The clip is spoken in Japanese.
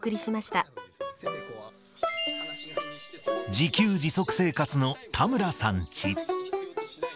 自給自足生活の田村さんチ。